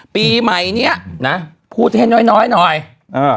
ปีใหม่เนี้ยนะพูดให้น้อยน้อยหน่อยอ่า